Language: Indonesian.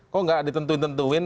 kok nggak ditentuin tentuin